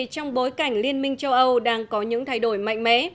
trong bối cảnh liên minh châu âu đang có những thay đổi mạnh mẽ